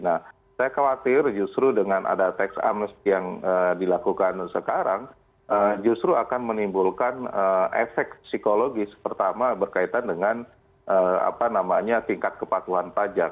nah saya khawatir justru dengan ada tax amnesty yang dilakukan sekarang justru akan menimbulkan efek psikologis pertama berkaitan dengan tingkat kepatuhan pajak